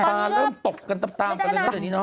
ตอนนี้เริ่มตกกันต่ากันเลยนะ